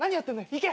行け。